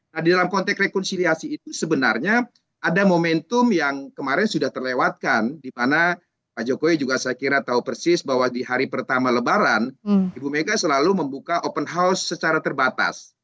nah di dalam konteks rekonsiliasi itu sebenarnya ada momentum yang kemarin sudah terlewatkan di mana pak jokowi juga saya kira tahu persis bahwa di hari pertama lebaran ibu mega selalu membuka open house secara terbatas